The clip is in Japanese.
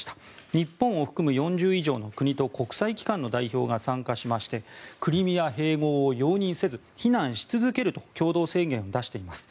日本を含む４０以上の国と国際機関の代表が参加しましてクリミア併合を容認せず非難し続けると共同宣言を出しています。